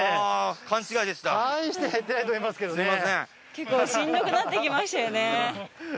結構しんどくなってきましたよね